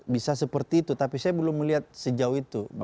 bisa seperti itu tapi saya belum melihat sejauh itu